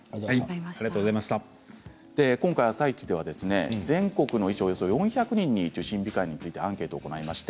今回「あさイチ」では全国の医師およそ４００人に受診控えについてアンケートを行いました。